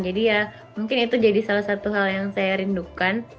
jadi ya mungkin itu jadi salah satu hal yang saya rindukan